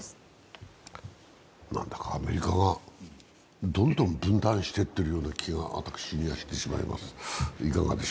なんだかアメリカがどんどん分断していっているような気が私にはしてしまいます。